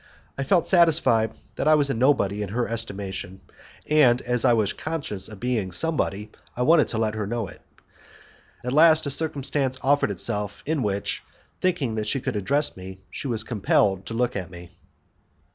I felt satisfied that I was a nobody in her estimation, and as I was conscious of being somebody, I wanted her to know it. At last a circumstance offered itself in which, thinking that she could address me, she was compelled to look at me.